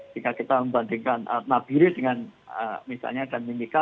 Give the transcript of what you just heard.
jika kita membandingkan nabiris dengan misalnya dhani mika